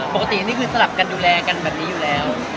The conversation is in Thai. ปกตินี่คือสลับกันดูแลกันแบบนี้อยู่แล้ว